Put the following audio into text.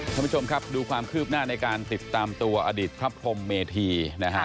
ท่านผู้ชมครับดูความคืบหน้าในการติดตามตัวอดีตพระพรมเมธีนะฮะ